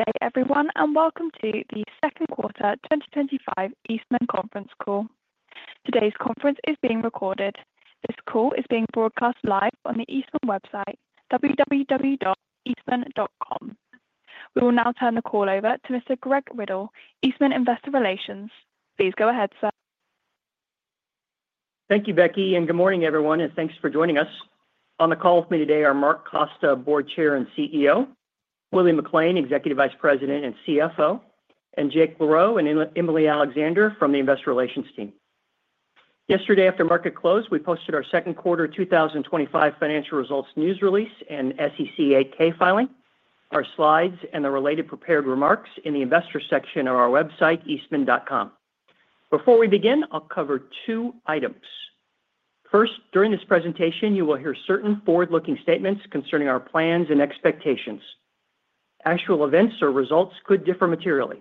Good day everyone and welcome to the second quarter 2025 Eastman Chemical Company conference call. Today's conference is being recorded. This call is being broadcast live on the Eastman website, www.eastman.com. We will now turn the call over to Mr. Greg Riddle, Eastman Investor Relations. Please go ahead sir. Thank you, Becky, and good morning, everyone, and thanks for joining us. On the call with me today are Mark Costa, Board Chair and CEO, Willie McLain, Executive Vice President and CFO, and Jake Laroe and Emily Alexander from the Investor Relations team. Yesterday after market close, we posted our second quarter 2025 financial results news release and SEC 8-K filing, our slides, and the related prepared remarks in the Investor section of our website, eastman.com. Before we begin, I'll cover two items. First, during this presentation you will hear certain forward-looking statements concerning our plans and expectations. Actual events or results could differ materially.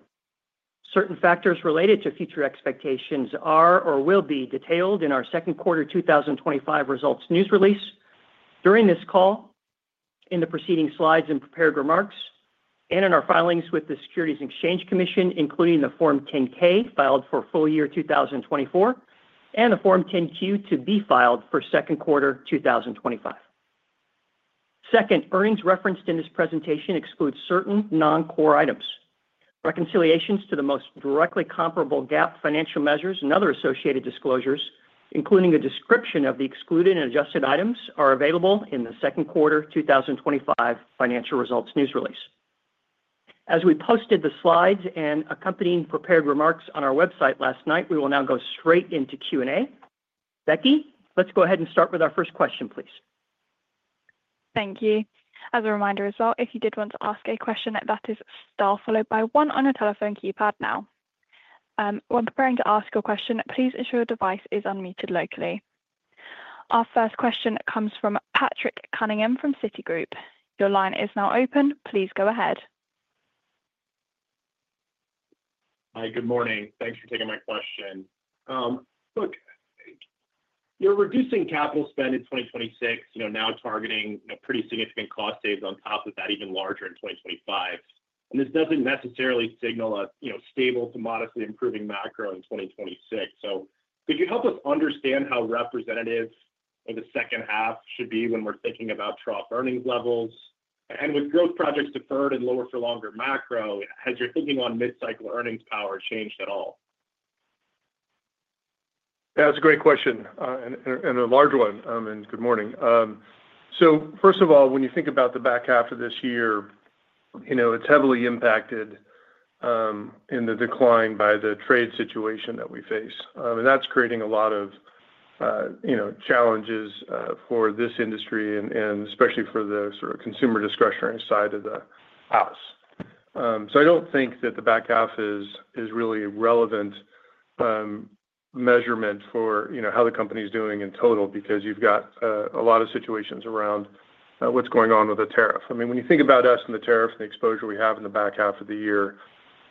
Certain factors related to future expectations are or will be detailed in our second quarter 2025 results news release, during this call, in the preceding slides and prepared remarks, and in our filings with the Securities and Exchange Commission, including the Form 10-K filed for full year 2024 and the Form 10-Q to be filed for second quarter 2025. Second, earnings referenced in this presentation exclude certain non-core items. Reconciliations to the most directly comparable GAAP financial measures and other associated disclosures, including a description of the excluded and adjusted items, are available in the second quarter 2025 financial results news release. As we posted the slides and accompanying prepared remarks on our website last night, we will now go straight into Q&A. Becky, let's go ahead and start with our first question, please. Thank you. As a reminder as well, if you did want to ask a question, that is * followed by 1 on a telephone keypad. Now, when preparing to ask your question, please ensure your device is unmuted locally. Our first question comes from Patrick Cunningham from Citigroup. Your line is now open. Please go ahead. Hi, good morning. Thanks for taking my question. Look, you're reducing capital spend in 2026, you know, now targeting pretty significant cost saves on top of that are even larger in 2025. This doesn't necessarily signal a you know, stable to modestly improving macro in 2026. Could you help us understand how. Representative of the second half should be when we're thinking about trough earnings levels. With growth projects deferred and lower for longer macro, has your thinking on mid cycle earnings power changed at all? That's a great question and a large one, and good morning. First of all, when you think about the back half of this year, it's heavily impacted in the decline by the trade situation that we face. That's creating a lot of challenges for this industry, especially for the sort of consumer discretionary side of the house. I don't think that the back half is really a relevant measurement for how the company's doing in total, because you've got a lot of situations around what's going on with the tariff. When you think about us and the tariff and the exposure we have in the back half of the year,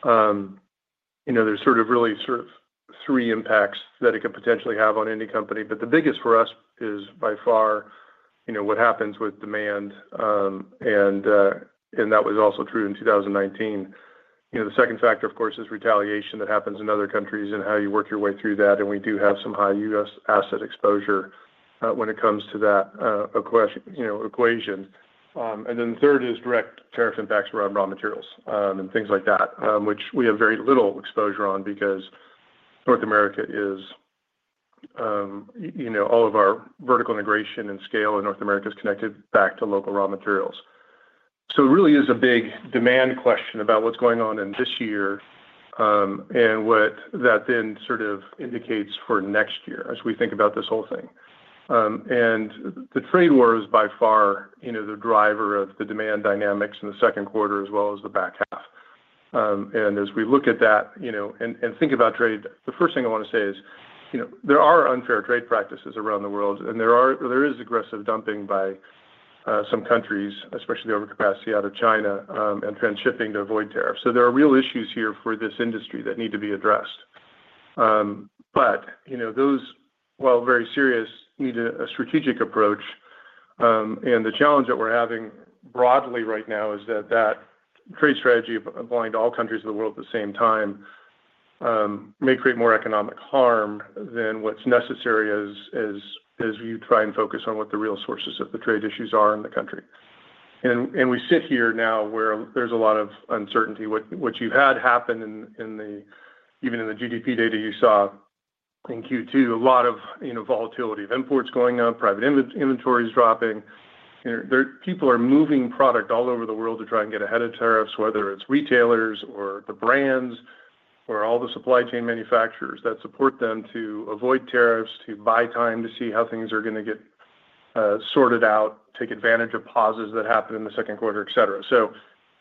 there are really three impacts that it could potentially have on any company. The biggest for us is by far what happens with demand. That was also true in 2019. The second factor, of course, is retaliation that happens in other countries and how you work your way through that. We do have some high U.S. asset exposure when it comes to that equation. Third is direct tariff impacts around raw materials and things like that, which we have very little exposure on because North America is, all of our vertical integration and scale in North America is connected back to local raw materials. It really is a big demand question about what's going on in this year and what that then indicates for next year as we think about this whole thing. The trade war is by far the driver of the demand dynamics in the second quarter as well as the back half. As we look at that and think about trade, the first thing I want to say is there are unfair trade practices around the world and there is aggressive dumping by some countries, especially overcapacity out of China and trans shipping to avoid tariffs. There are real issues here for this industry that need to be addressed. Those, while very serious, need a strategic approach. The challenge that we're having broadly right now is that the trade strategy of applying to all countries of the world at the same time may create more economic harm than what's necessary as you try and focus on what the real sources of the trade issues are in the country. We sit here now where there's a lot of uncertainty. What you had happen, even in the GDP data you saw in Q2, a lot of volatility of imports going up, private inventories dropping. People are moving product all over the world to try and get ahead of tariffs, whether it's retailers or the brands or all the supply chain manufacturers that support them, to avoid tariffs, to buy time, to see how things are going to get, sort it out, take advantage of pauses that happen in the second quarter, etc.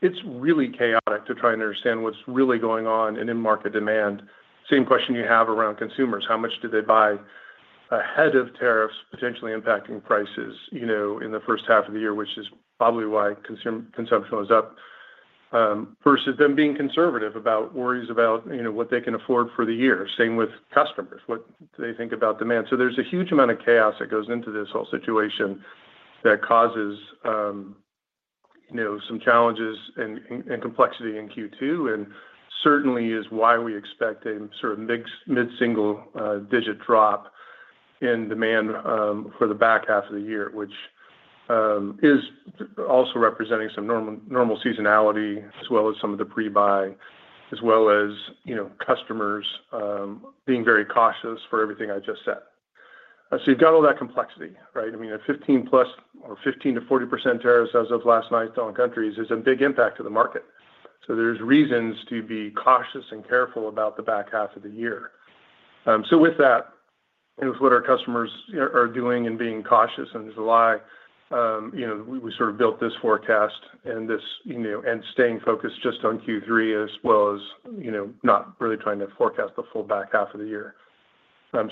It's really chaotic to try and understand what's really going on. In market demand, same question you have around consumers, how much do they buy ahead of tariffs potentially impacting prices, you know, in the first half of the year, which is probably why consumer consumption was up versus them being conservative about worries about, you know, what they can afford for the year. Same with customers, what they think about demand. There's a huge amount of chaos that goes into this whole situation that causes some challenges and complexity in Q2 and certainly is why we expect a sort of mid single digit drop in demand for the back half of the year, which is also representing some normal seasonality as well as some of the pre buyers as well as, you know, customers being very cautious for everything I just said. You've got all that complexity, right? I mean a 15% plus or 15% to 40% tariffs as of last night on countries is a big impact to the market. There are reasons to be cautious and careful about the back half of the year. With that, with what our customers are doing and being cautious in July, you know, we sort of built this forecast and, and this, you know, and staying focused just on Q3 as well as, you know, not really trying to forecast the full back half of the year. That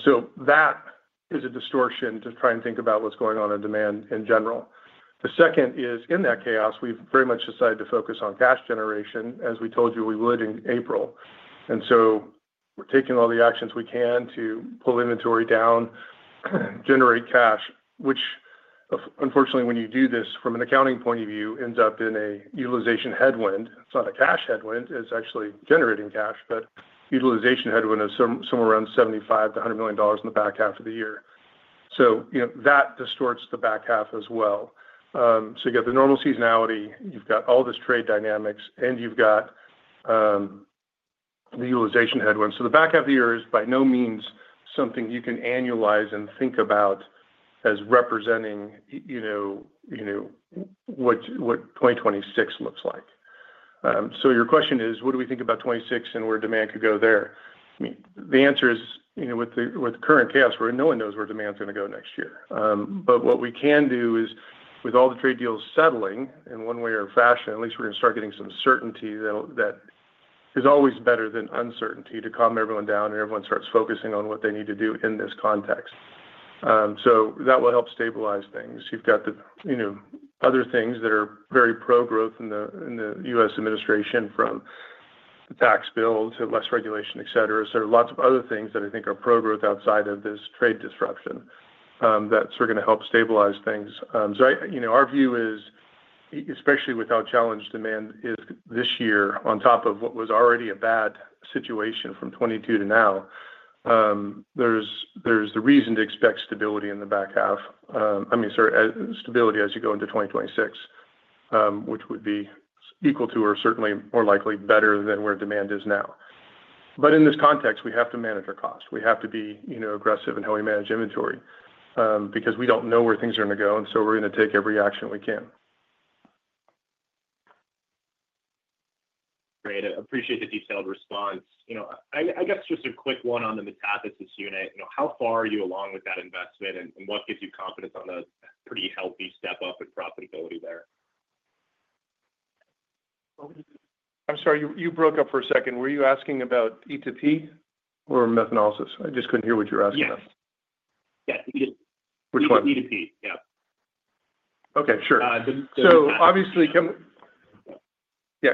is a distortion to try and think about what's going on in demand in general. The second is in that chaos, we've very much decided to focus on cash generation as we told you we would in April. We're taking all the actions we can to pull inventory down, generate cash, which unfortunately when you do this from an accounting point of view, ends up in a utilization headwind. It's not a cash headwind, it's actually generating cash. Utilization headwind is somewhere around $75 million to $100 million in the back half of the year. That distorts the back half as well. You get the normal seasonality, you've got all this trade dynamics and you've got the utilization headwinds. The back half of the year is by no means something you can annualize and think about as representing, you know, what 2026 looks like. Your question is what do we think about 2026 and where demand could go there? The answer is with current chaos, where no one knows where demand's going to go next year. What we can do is with all the trade deals settling in one way or fashion at least we're going to start getting some certainty that is always better than uncertainty to calm everyone down and everyone starts focusing on what they need to do in this context. That will help stabilize things. You've got the, you know, other things that are very pro growth in the U.S. Administration, from the tax bill to less regulation, etc. Lots of other things that I think are pro growth outside of this trade disruption that's going to help stabilize things. Our view is, especially with how challenged demand is this year, on top of what was already a bad situation from 2022 to now, there's the reason to expect stability as you go into 2026, which would be equal to or certainly more likely better than where demand is now. In this context, we have to manage our cost. We have to be, you know, aggressive in how we manage inventory because we don't know where things are going to go. We're going to take every action we can. Great. Appreciate the detailed response. I guess just a quick. One on the metathesis unit. You know, how far are you along? With that investment and what gives you. Confidence on a pretty healthy step up in profitability there? I'm sorry, you broke up for a second. Were you asking about E2P or Methanolysis? I just couldn't hear what you're asking. Which one? Okay, sure.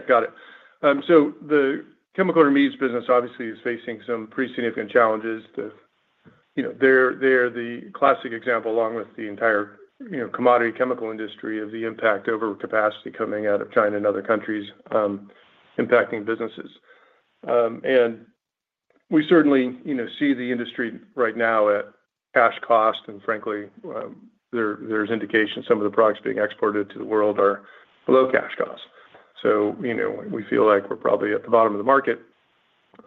Got it. The chemical intermediates business obviously is facing some pretty significant challenges. They're the classic example, along with the entire commodity chemical industry, of the impact of overcapacity coming out of China and other countries impacting businesses. We certainly see the industry right now at cash cost. Frankly, there's indication some of the products being exported to the world are below cash cost. We feel like we're probably at the bottom of the market,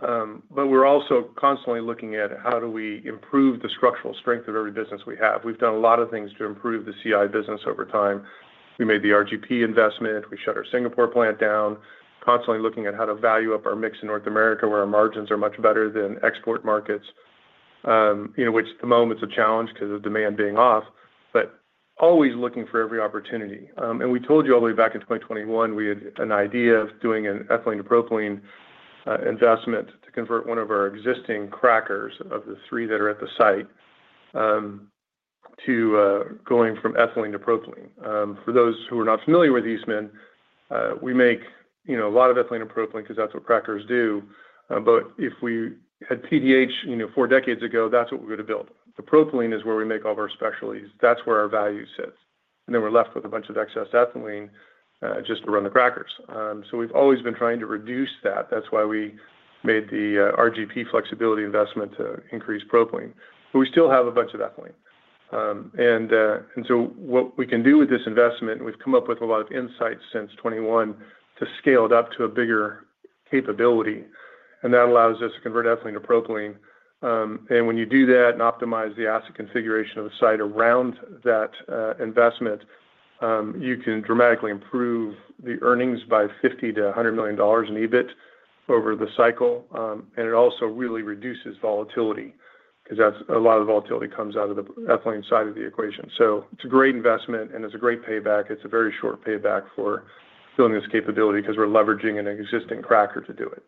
but we're also constantly looking at how do we improve the structural strength of every business we have. We've done a lot of things to improve the CI business over time. We made the RGP investment, we shut our Singapore plant down, constantly looking at how to value up our mix in North America, where our margins are much better than export markets, which at the moment is a challenge because of demand being off, but always looking for every opportunity. We told you all the way back in 2021, we had an idea of doing an ethylene-to-propylene investment to convert one of our existing crackers of the three that are at the site to going from ethylene to propylene. For those who are not familiar with Eastman Chemical Company, we make a lot of ethylene and propylene because that's what crackers do. If we had TDH four decades ago, that's what we would have built. The propylene is where we make all of our specialties. That's where our value sits. Then we're left with a bunch of excess ethylene just to run the crackers. We've always been trying to reduce that. That's why we made the RGP flexibility investment to increase propylene. We still have a bunch of ethylene. What we can do with this investment, we've come up with a lot of insights since 2021 to scale it up to a bigger capability. That allows us to convert ethylene to propylene. When you do that and optimize the asset configuration of the site around that investment, you can dramatically improve the earnings by $50 to $100 million in EBIT over the cycle. It also really reduces volatility because a lot of volatility comes out of the ethylene side of the equation. It's a great investment and it's a great payback. It's a very short payback for building this capability because we're leveraging an existing cracker to do it.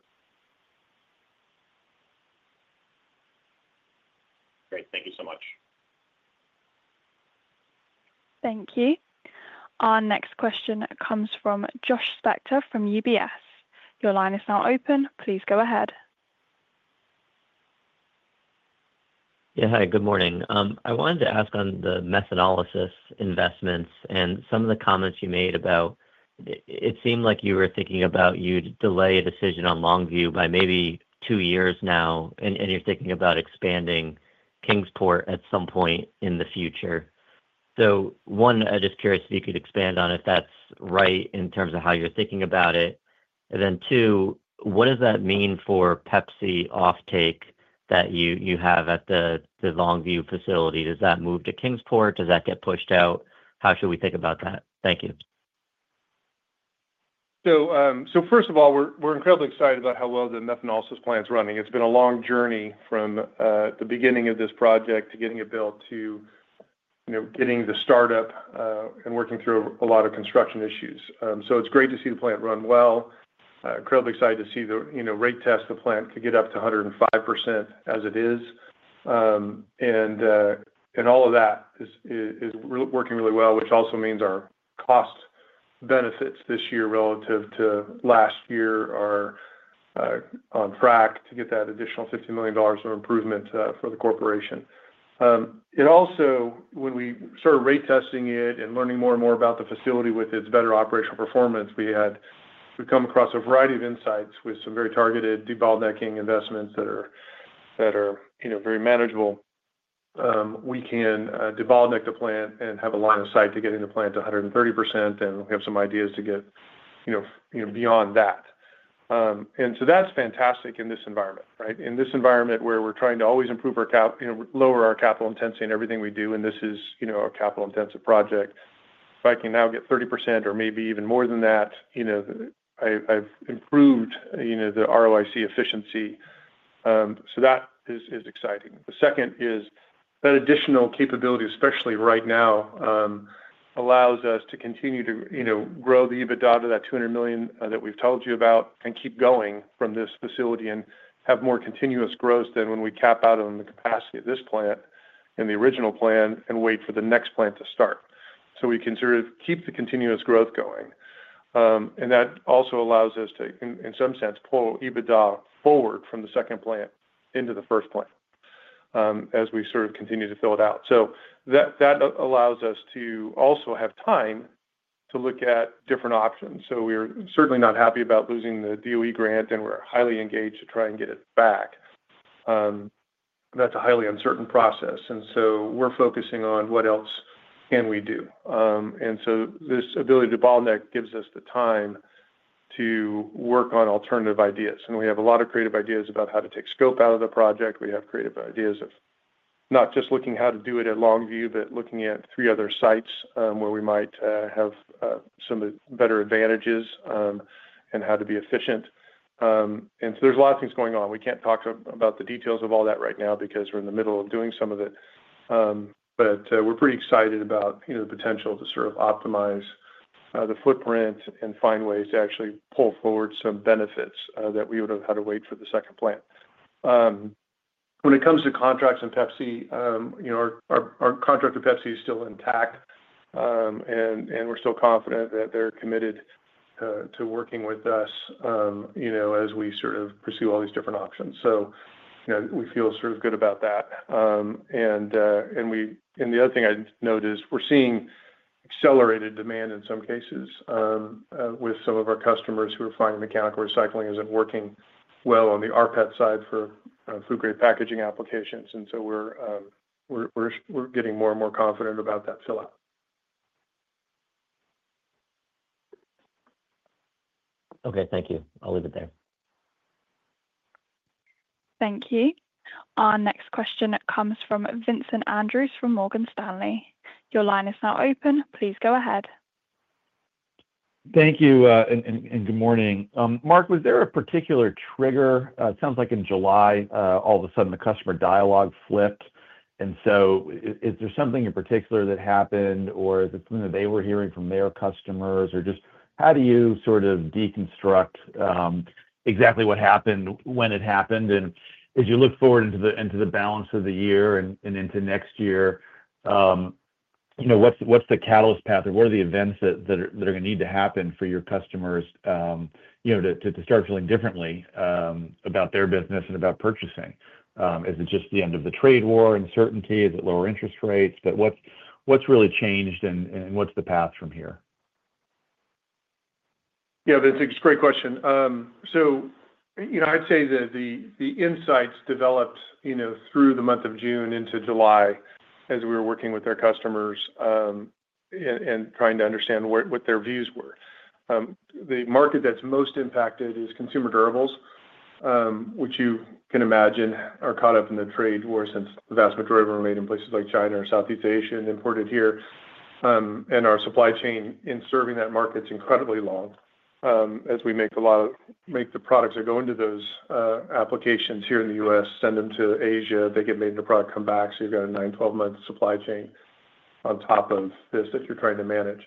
Great. Thank you so much. Thank you. Our next question comes from Josh Spector from UBS. Your line is now open. Please go ahead. Good morning. I wanted to ask on the Methanolysis investments and some of the comments you made about it. It seemed like you were thinking about you delay a decision on Longview by maybe two years now, and you're thinking about expanding Kingsport at some point in the future. One, I'm just curious if you could expand on if that's right in terms of how you're thinking about it. Two, what does that mean for the PepsiCo offtake that you have at the Longview facility? Does that move to Kingsport? Does that get pushed out? How should we think about that? Thank you. First of all, we're incredibly excited about how well the Methanolysis plant's running. It's been a long journey from the beginning of this project to getting it built, to getting the startup, and working through a lot of construction issues. It's great to see the plant run well. Incredibly excited to see the rate test. The plant could get up to 105% as it is, and all of that is working really well, which also means our cost benefits this year relative to last year are on track to get that additional $50 million of improvement for the corporation. When we started rate testing it and learning more and more about the facility with its better operational performance, we came across a variety of insights with some very targeted debottlenecking investments that are very manageable. We can debottleneck the plant and have a line of sight to getting the plant to 130%, and we have some ideas to get beyond that. That's fantastic in this environment, right? In this environment where we're trying to always improve our cap, you know, lower our capital intensity in everything we do. This is a capital intensive project. If I can now get 30% or maybe even more than that, I've improved the ROIC efficiency. That is exciting. The second is that additional capabilities, especially right now, allow us to continue to grow the EBITDA to that $200 million that we've told you about and keep going from this facility and have more continuous growth than when we cap out on the capacity of this plant in the original plan and wait for the next plant to start. We can sort of keep the continuous growth going, and that also allows us to, in some sense, pull EBITDA forward from the second plant into the first plant as we continue to fill it out. That allows us to also have time to look at different options. We're certainly not happy about losing the DOE grant, and we're highly engaged to try and get it back. That's a highly uncertain process, and we're focusing on what else we can do. This ability to debottleneck gives us the time to work on alternative ideas. We have a lot of creative ideas about how to take scope out of the project. We have creative ideas of not just looking at how to do it at Longview, but looking at three other sites where we might have some better advantages and how to be efficient. There's a lot of things going on. We can't talk about the details of all that right now because we're in the middle of doing some of it. We're pretty excited about the potential to sort of optimize the footprint and find ways to actually pull forward some benefits that we would have had to wait for the second plant. When it comes to contracts in PepsiCo, our contract with PepsiCo is still intact and we're still confident that they're committed to working with us as we sort of pursue all these different options. We feel sort of good about that. The other thing I note is we're seeing accelerated demand in some cases with some of our customers who are finding mechanical recycling isn't working well on the rPET side for food grade packaging applications. We're getting more and more confident about that. Okay, thank you. I'll leave it there. Thank you. Our next question comes from Vincent Andrews from Morgan Stanley. Your line is now open. Please go ahead. Thank you and good morning. Mark, was there a particular trigger? It sounds like in July all of a sudden the customer dialogue flipped. Is there something in particular that happened, or is it something that they were hearing from their customers, or how do you sort of deconstruct exactly what happened, when it happened? As you look forward into the balance of the year and into next year, what's the catalyst path or what are the events that are going to need to happen for your customers to start feeling differently about their business and about purchasing? Is it just the end of the trade war uncertainty? Is it lower interest rates? What's really changed and what's the path from here? That's a great question. I'd say that the insights developed through the month of June into July as we were working with our customers and trying to understand what their views were. The market that's most impacted is consumer durables, which you can imagine are caught up in the trade war since the vast majority are made in places like China or Southeast Asia and imported here. Our supply chain in serving that market is incredibly long as we make a lot of the products that go into those applications here in the U.S., send them to Asia, they get made in the product, come back. You've got a 9-12 month supply chain on top of this that you're trying to manage.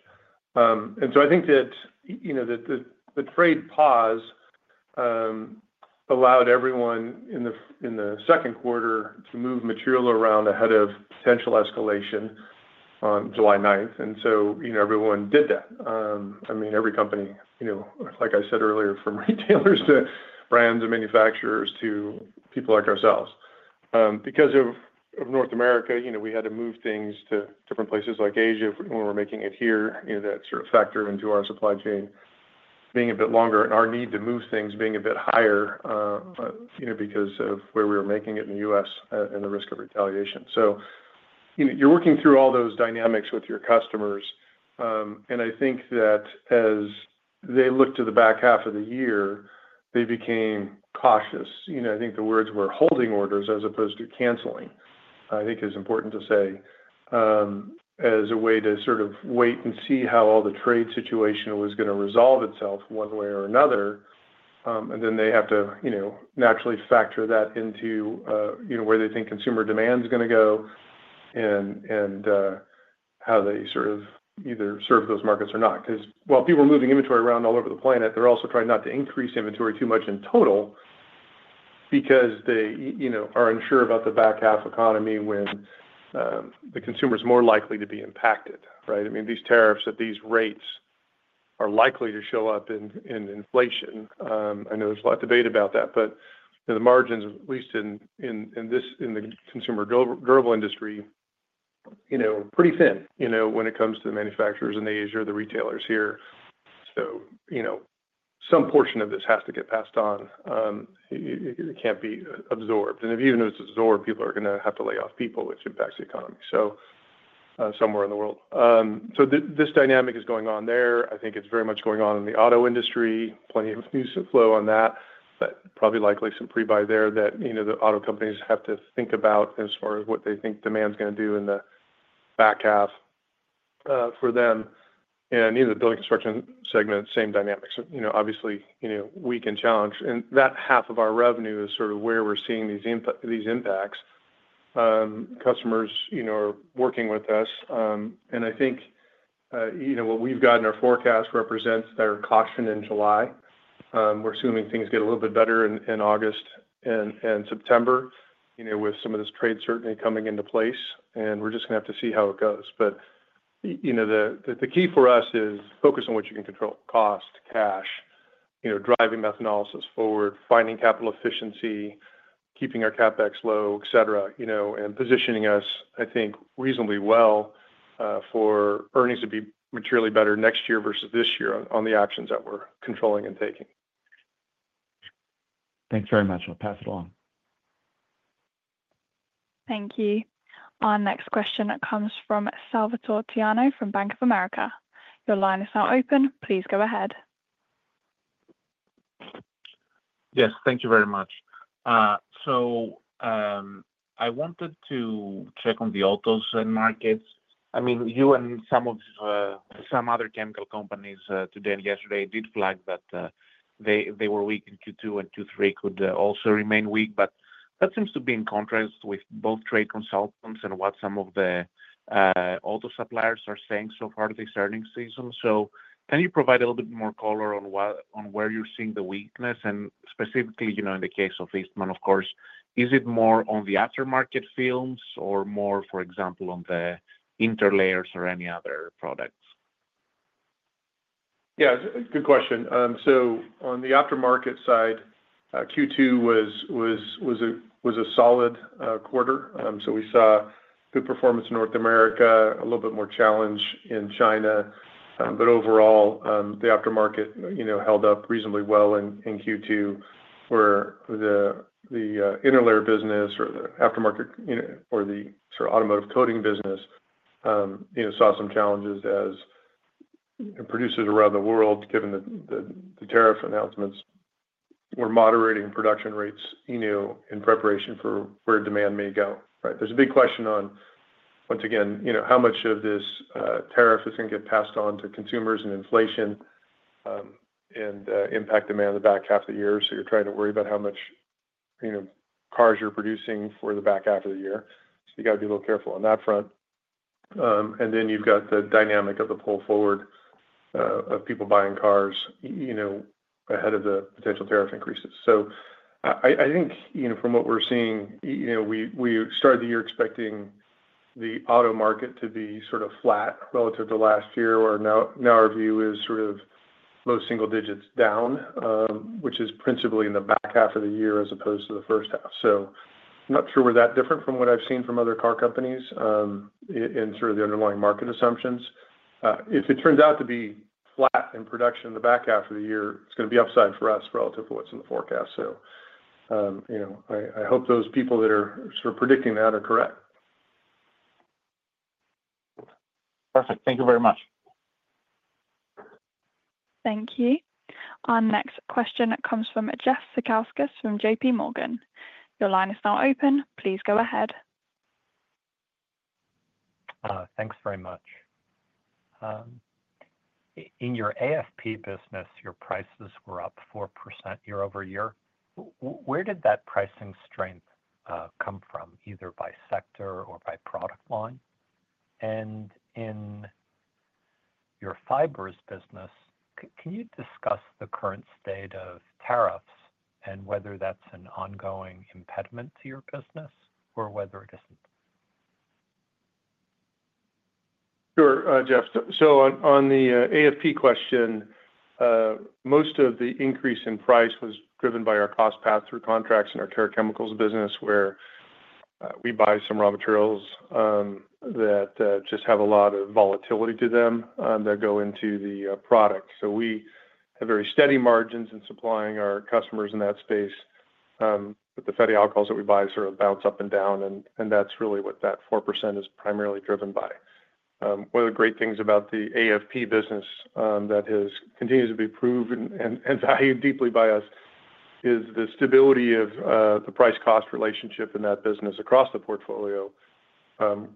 I think that the trade pause allowed everyone in the second quarter to move material around ahead of potential escalation on July 9. Everyone did that. I mean, every company, like I said earlier, from retailers to brands and manufacturers to people like ourselves, because of North America, we had to move things to different places like Asia when we're making it here. That sort of factored into our supply chain being a bit longer and our need to move things being a bit higher because of where we were making it in the U.S. and the risk of retaliation. You're working through all those dynamics with your customers. I think that as they look to the back half of the year, they became cautious. I think the words were holding orders as opposed to canceling, which I think is important to say as a way to sort of wait and see how all the trade situation was going to resolve itself one way or another. They have to naturally factor that into where they think consumer demand is going to go and how they sort of either serve those markets or not. While people are moving inventory around all over the planet, they're also trying not to increase inventory too much in total because they are unsure about the back half economy when the consumer is more likely to be impacted. These tariffs at these rates are likely to show up in inflation. I know there's a lot of debate about that. The margins at least in the consumer durables industry are pretty thin when it comes to the manufacturers in Asia, the retailers here. Some portion of this has to get passed on. It can't be absorbed. Even if it's absorbed, people are going to have to lay off people, which impacts the economy somewhere in the world. This dynamic is going on there. I think it's very much going on in the auto industry. Plenty of news flow on that, but probably likely some pre-buy there that the auto companies have to about as far as what they think demand's going to do in the back half for them and in the building construction segment. Same dynamics. Obviously, we can challenge and that half of our revenue is sort of where we're seeing these impacts. Customers are working with us and I think what we've got in our forecast represents their caution in July. We're assuming things get a little bit better in August and September, with some of this trade certainly coming into place and we're just going to have to see how it goes. The key for us is focus on what you can control: cost, cash, driving Methanolysis forward, finding capital efficiency, keeping our CapEx low, et cetera, and positioning us I think reasonably well for earnings to be materially better next year versus this year on the actions that we're controlling and taking. Thanks very much. I'll pass it along. Thank you. Our next question comes from Salvator Tiano from Bank of America. Your line is now open. Please go ahead. Yes, thank you very much. I wanted to check on the autos and markets. I mean, you and some of them. Other chemical companies today and yesterday did flag, but they were weak in Q2 and Q3 could also remain weak. That seems to be in contrast with both trade consultants and what some of the auto suppliers are saying. This earnings season, can you provide a little bit more color on where you're seeing the weakness? Specifically, in the case of Eastman, of course, is it more on the aftermarket films or more, for example, on the interlayers or any other products? Good question. On the aftermarket side, Q2 was a solid quarter. We saw good performance in North America, a little bit more challenge in China. Overall, the aftermarket held up reasonably well in Q2, where the interlayers business or the aftermarket or automotive coating business saw some challenges as producers around the world, given the tariff announcements, were moderating production rates in preparation for where demand may go. There's a big question on once again, how much of this tariff is going to get passed on to consumers and inflation and impact demand the back half of the year. You're trying to worry about how much cars you're producing for the back half of the year. You got to be a little careful on that front. Then you've got the dynamic of the pull forward of people buying cars ahead of the potential tariff increases. From what we're seeing, we started the year expecting the auto market to be sort of flat relative to last year or now. Our view is sort of low single digits down, which is principally in the back half of the year as opposed to the first half. I'm not sure we're that different from what I've seen from other car companies in sort of the underlying market assumptions. If it turns out to be flat in production in the back half of the year, it's going to be upside for us relative to what's in the forecast. I hope those people that are sort of predicting that are correct. Perfect. Thank you very much. Thank you. Our next question comes from Jeff Zekauskas from JPMorgan. Your line is now open. Please go ahead. Thanks very much. In your AFP business, your prices were up 4% year over year. Where did that pricing strength come from, either by sector or by product line? In your fibers business, can you discuss the current state of tariffs and whether that's an ongoing impediment to your business or whether it isn't. Sure, Jeff. On the AFP question, most of the increase in price was driven by our cost pass through contracts and our care chemicals business where we buy some raw materials that just have a lot of volatility to them that go into the product. We have very steady margins in supplying our customers in that space, but the fatty alcohols that we buy sort of bounce up and down and that's really what that 4% is primarily driven by. One of the great things about the AFP business that has continued, continues to be proven and valued deeply by us is the stability of the price cost relationship in that business across the portfolio.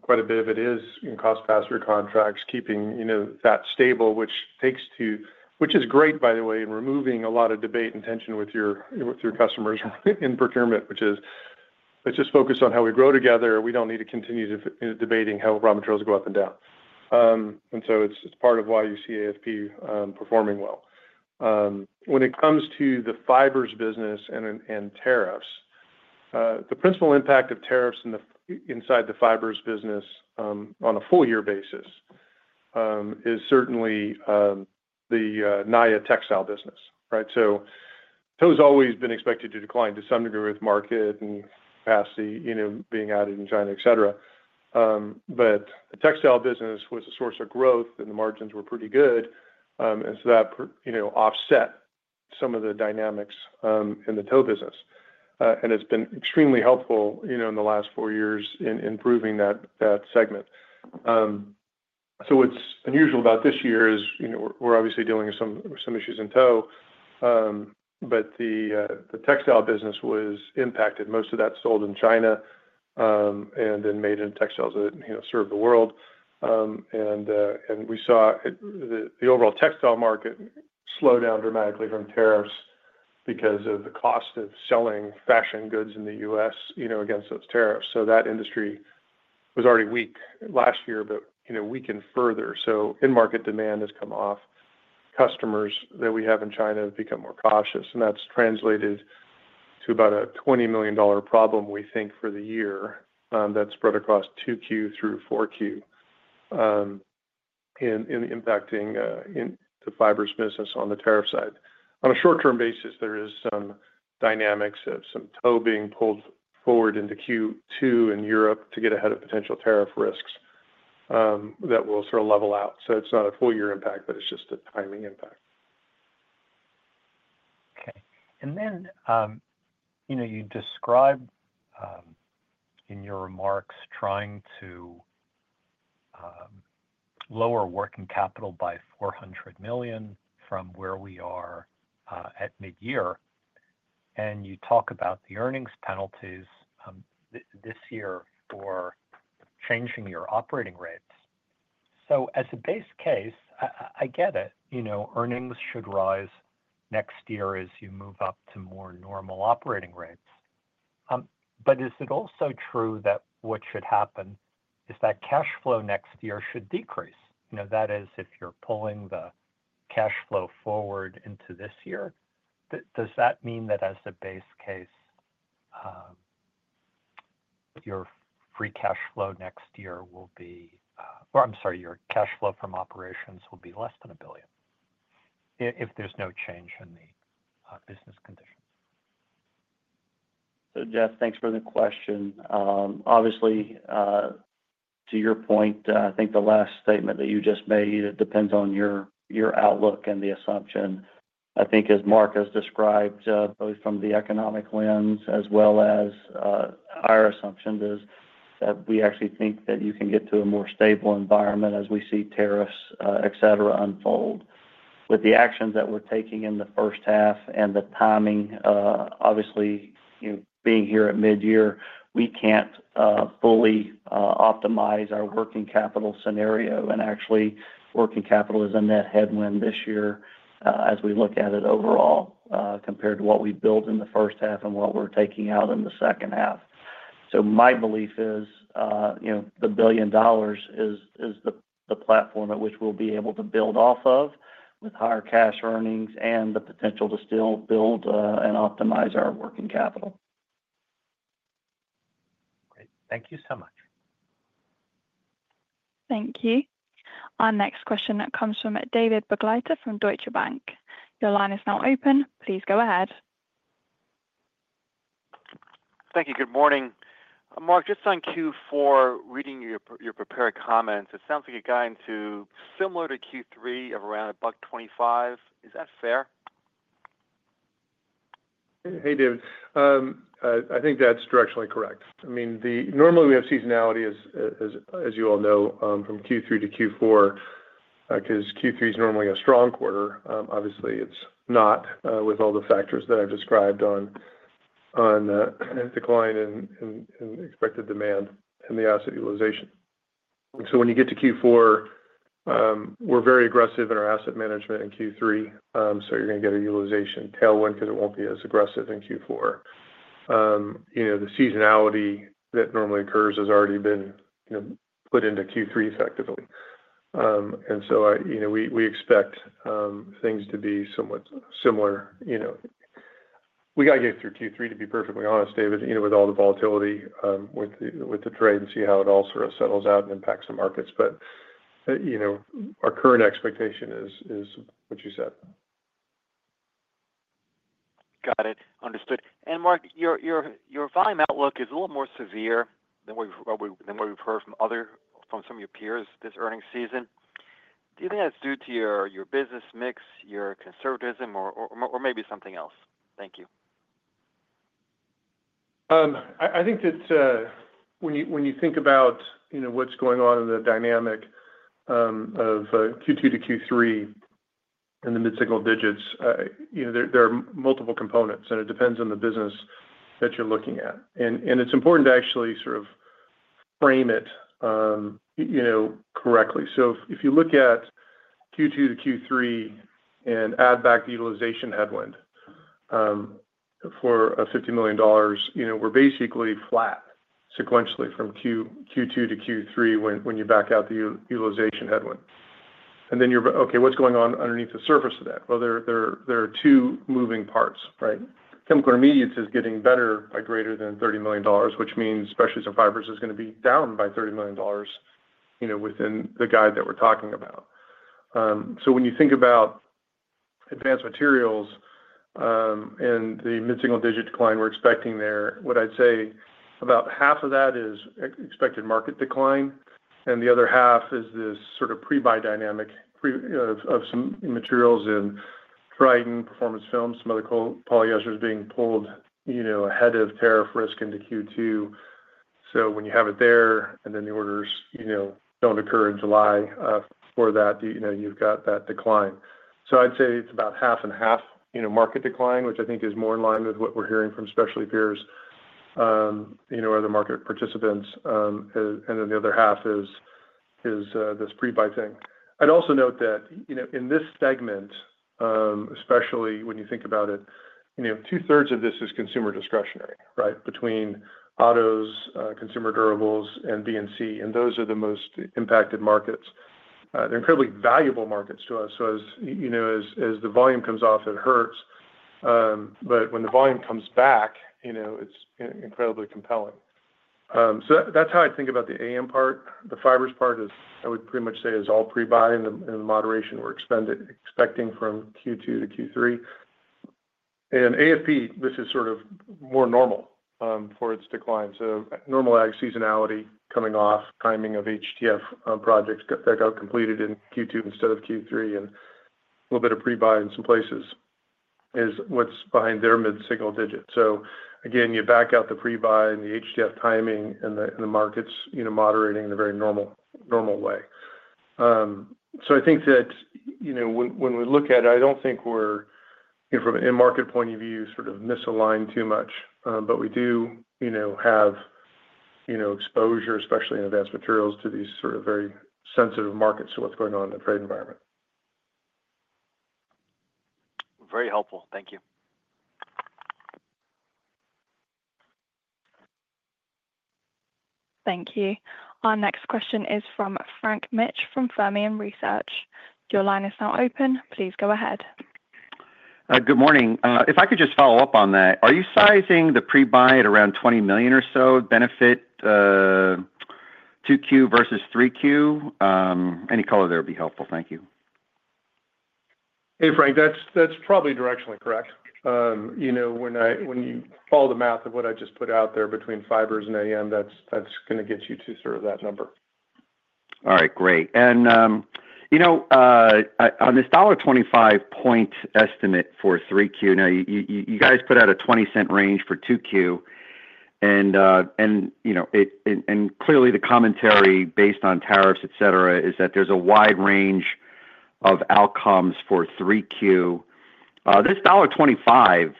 Quite a bit of it is in cost pass through contracts, keeping that stable, which is great, by the way, in removing a lot of debate and tension with your customers in procurement, which is let's just focus on how we grow together. We don't need to continue debating how raw materials go up and down. It's part of why you see AFP performing well. When it comes to the fibers business and tariffs, the principal impact of tariffs inside the fibers business on a full year basis is certainly the Naia textile business, right? Tow's always been expected to decline to some degree with market and capacity being added in China, et cetera. The textile business was a source of growth and the margins were pretty good, and that offset some of the dynamics in the tow business. It's been extremely helpful in the last four years in improving that segment. What's unusual about this year is we're obviously dealing with some issues in tow, but the textile business was impacted, most of that sold in China and then made in textiles that serve the world. We saw the overall textile market slow down dramatically from tariffs because of the cost of selling fashion goods in the U.S. against those tariffs. That industry was already weak last year, but weakened further. In market demand has come off, customers that we have in China have become more cautious, and that's translated to about a $20 million problem, we think, for the year that's spread across 2Q through 4Q in impacting the fibers business on the tariff side on a short term basis. There is some dynamics of some tow being pulled forward into Q2 in Europe to get ahead of potential tariff risks that will sort of level out. It's not a full year impact, but it's just a tower timing impact. Okay. You described in your remarks trying to lower working capital by $400 million from where we are at mid year. You talk about the earnings penalties this year for changing your operating rates. As a base case, I get it, earnings should rise next year as you move up to more normal operating rates. Is it also true that what should happen is that cash flow next year should decrease? That is, if you're pulling the cash flow forward into this year, does that mean that as a base case, your free cash flow next year will be, or I'm sorry, your cash flow from operations will be less than $1 billion if there's no change in the business conditions. Jeff, thanks for the question. Obviously, to your point, I think the last statement that you just made depends on your outlook and the assumption. I think, as Mark has described, both from the economic lens as well as our assumptions, we actually think that you can get to a more stable environment as we see tariffs, etc., unfold. With the actions that we're taking in the first half and the timing obviously being here at mid year, we can't fully optimize our working capital scenario. Actually, working capital is a net headwind this year as we look at it overall compared to what we built in the first half and what we're taking out in the second half. My belief is the $1 billion is the platform at which we'll be able to build off of with higher cash earnings and the potential to still build and optimize our working capital. Great. Thank you so much. Thank you. Our next question comes from David Begleiter from Deutsche Bank. Your line is now open. Please go ahead. Thank you. Good morning, Mark, just on Q4, reading your prepared comments, it sounds like it got into similar to Q3 of around $1.25. Is that fair? Hey, David, I think that's directionally correct. I mean, normally we have seasonality, as you all know, from Q3 to Q4 because Q3 is normally a strong quarter. Obviously, it's not with all the factors that I've described on decline in expected demand and the asset utilization. When you get to Q4, we're very aggressive in our asset management in Q3, so you're going to get a utilization tailwind because it won't be as aggressive in Q4. The seasonality that normally occurs has already been put into Q3 effectively, and we expect things to be somewhat similar. We gotta get through Q3, to be perfectly honest, David, with all the volatility with the trade and see how it all sort of settles out and impacts the markets. Our current expectation is what you said. Got it. Understood. Mark, your volume outlook is a little more severe than what we've heard from some of your peers this earnings season. Do you think that's due to your business mix, your conservatism, or maybe something else? Thank you. I think that when you think about what's going on in the dynamic of Q2 to Q3 in the mid single digits, there are multiple components and it depends on the business that you're looking at. It's important to actually sort of frame it correctly. If you look at Q2 to Q3 and add back the utilization headwind for $50 million, we're basically flat sequentially from Q2 to Q3. When you back out the utilization headwind and then you're okay, what's going on underneath the surface of that? There are two moving parts, right? Chemical intermediates is getting better by greater than $30 million, which means specialties and fibers is going to be down by $30 million within the guide that we're talking about. When you think about advanced materials and the mid single digit decline we're expecting there, what I'd say is about half of that is expected market decline. The other half is this sort of pre-buy dynamic of some materials in Tritan performance film, some other polyesters being pulled ahead of tariff risk into Q2. When you have it there and then the orders don't occur in July for that, you've got that decline. I'd say it's about half and half, market decline, which I think is more in line with what we're hearing from specialty peers, other market participants. The other half is this pre-buy thing. I'd also note that in this segment, especially when you think about it, two-thirds of this is consumer discretionary, between autos, consumer durables, and B&C. Those are the most impacted markets. They're incredibly valuable markets to us. As the volume comes off, it hurts, but when the volume comes back, it's incredibly compelling. That's how I think about the AM part. The fibers part I would pretty much say is all pre-buy in the moderation we're expecting from Q2 to Q3. In AFP, this is sort of more normal for its decline. Normal ag seasonality coming off, timing of HTF projects that got completed in Q2 instead of Q3, and a little bit of pre-buy in some places is what's behind their mid single digit. Again, you back out the pre-buy and the HTF timing and the markets moderating in the very normal, normal way. I think that when we look at it, I don't think we're from an end market point of view sort of misaligned too much, but we do have exposure, especially in advanced materials, to these sort of very sensitive markets to what's going on in the trade environment. Very helpful, thank you. Thank you. Our next question is from Frank Mitsch from Wells Fargo Securities. Your line is now open. Please go ahead. Good morning. If I could just follow up on that, are you sizing the pre-buy at around $20 million or so benefit, 2Q vs 3Q? Any color there would be helpful. Thank you. Hey Frank, that's probably directionally correct. You know, when you follow the math of what I just put out there between fibers and AM, that's going to get you to sort of that number. All right, great. On this $25 point estimate for 3Q, you guys put out a $0.20 range for 2Q. Clearly, the commentary based on tariffs, etc. is that there's a wide range of outcomes for 3Q. This $25,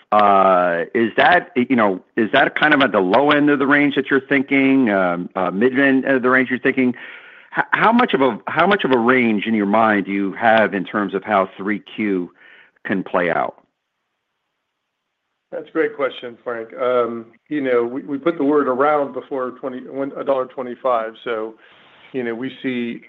is that kind of at the low end of the range that you're thinking, mid the range you're thinking? How much of a range in your mind do you have in terms of how 3Q can play out? That's a great question, Frank. We put the word around before $21.25. We see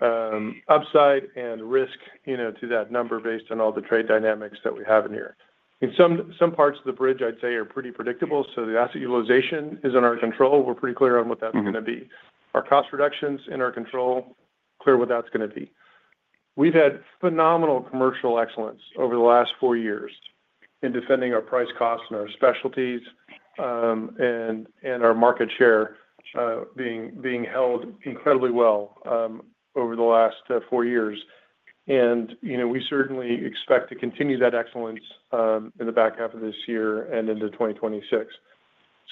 upside and risk to that number based on all the trade dynamics that we have in here. In some parts of the bridge, I'd say are pretty predictable. The asset utilization is in our control. We're pretty clear on what that's going to be. Our cost reductions are in our control, clear what that's going to be. We've had phenomenal commercial excellence over the last four years in defending our price costs and our specialties and our market share being held incredibly well over the last four years. We certainly expect to continue that excellence in the back half of this year and into 2026.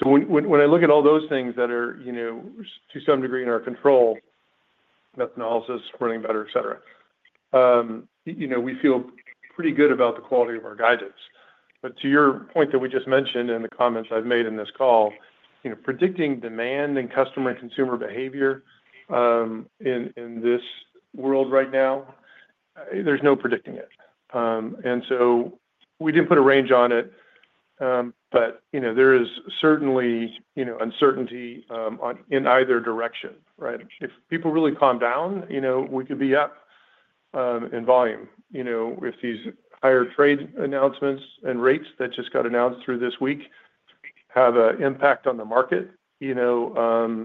When I look at all those things that are, to some degree, in our control, Methanolysis running better, etcetera, we feel pretty good about the quality of our guidance. To your point that we just mentioned in the comments I've made in this call, predicting demand and customer consumer behavior in this world right now, there's no predicting it, and we didn't put a range on it, but there is certainly uncertainty in either direction. If people really calm down, we could be up in volume. If these higher trade announcements and rates that just got announced through this week have an impact on the market, on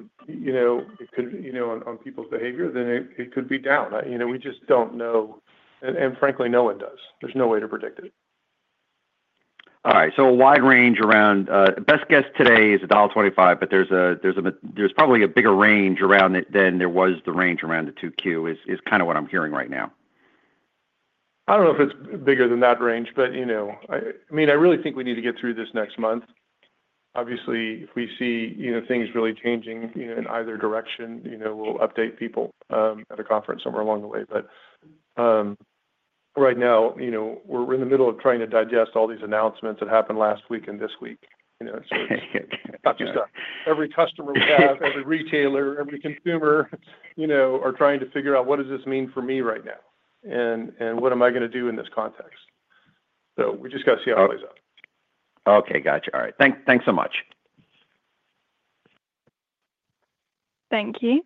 people's behavior, then it could be down. We just don't know. Frankly, no one does. There's no way to predict it. All right, so a wide range around. Best guess today is $1.25. There's a there's probably a bigger range around it than there was. The range around the 2Q is kind of what I'm hearing right now. I don't know if it's bigger than that range, but I really think we need to get through this next month. Obviously, if we see things really changing in either direction, we'll update people at a conference somewhere along the way. Right now, we're in the middle of trying to digest all these announcements that happened last week and this week. Every customer, every retailer, every consumer is trying to figure out what does this mean for me right now and what am I going to do in this context? We just got to see how it plays out. Okay, gotcha. All right, thanks so much. Thank you.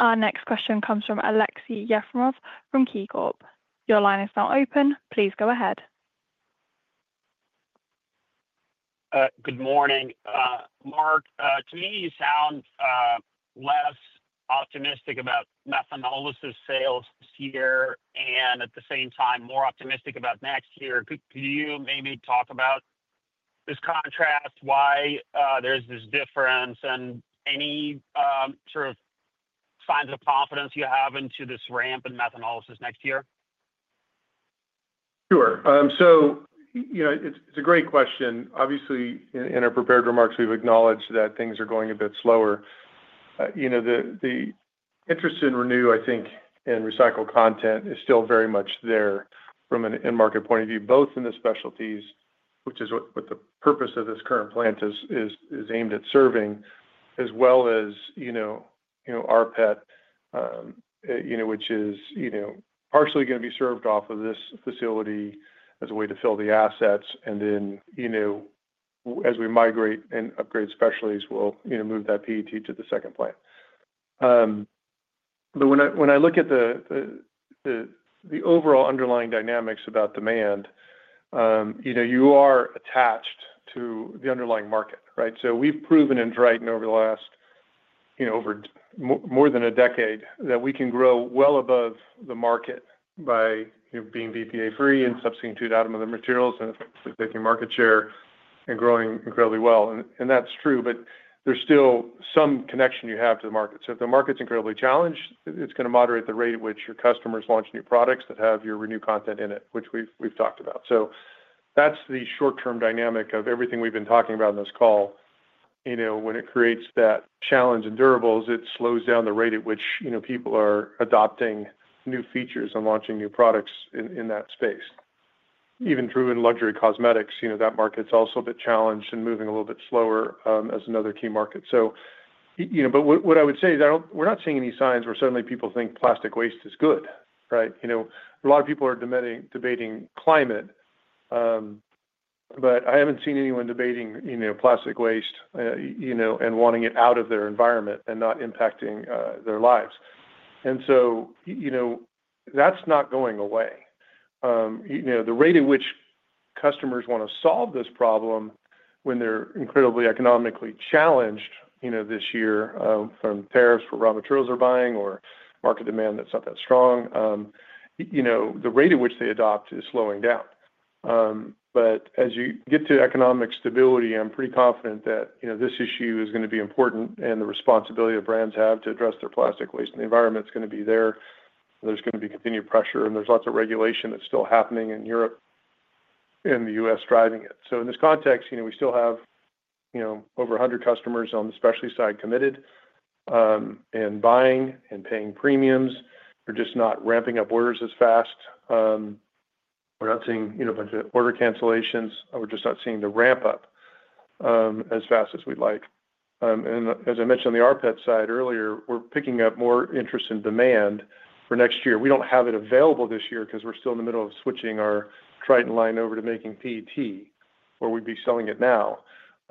Our next question comes from Aleksey Yefremov from KeyBanc. Your line is now open. Please go ahead. Good morning, Mark. To me, you sound less optimistic about Methanolysis sales this year and at the same time, more optimistic about next year. Could you maybe talk about this contrast, why there's this difference, and any sort of signs of confidence you have into. This ramp and Methanolysis next year? Sure. It's a great question. Obviously, in our prepared remarks, we've acknowledged that things are going a bit slower. The interest in Renew, I think, in recycled content is still very much there from an end market point of view, both in the specialties, which is what the purpose of this current plant is aimed at serving, as well as rPET, which is partially going to be served off of this facility as a way to fill the assets. As we migrate and upgrade specialties, we'll move that PET to the second plant. When I look at the overall underlying dynamics about demand, you are attached to the underlying market. We've proven in Tritan over the last more than a decade that we can grow well above the market by being BPA free and substituting out other materials and taking market share and growing incredibly well. That's true, but there's still some connection you have to the market. If the market's incredibly challenged, it's going to moderate the rate at which your customers launch new products that have your Renew content in it, which we've talked about. That's the short-term dynamic of everything we've been talking about in this call. When it creates that challenge in durables, it slows down the rate at which people are adopting new features and launching new products in that space. Even in luxury cosmetics, that market's also a bit challenged and moving a little bit slower, lower as another key market. What I would say is, we're not seeing any signs where suddenly people think plastic waste is good. A lot of people are debating climate, but I haven't seen anyone debating plastic waste and wanting it out of their environment and not impacting their lives. That's not going away. The rate at which customers want to solve this problem when they're incredibly economically challenged this year from tariffs, where raw materials are buying or market demand that's not that strong, the rate at which they adopt is slowing down. As you get to economic stability, I'm pretty confident that this issue is going to be important. The responsibility that brands have to address their plastic waste and the environment is going to be there, there's going to be continued pressure and there's lots of regulation that's still happening in Europe and the U.S. driving it. In this context, we still have over 100 customers on the specialty side committed and buying and paying premiums. We're just not ramping up orders as fast. We're not seeing order cancellations. We're just not seeing the ramp up as fast as we'd like. As I mentioned the rPET side earlier, we're picking up more interest in demand for next year. We don't have it available this year because we're still in the middle of switching our Tritan line over to making PET, where we'd be selling it now.